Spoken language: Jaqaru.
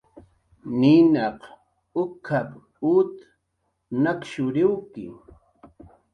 "Ninaq uk""ap"" ut nakshuriwki"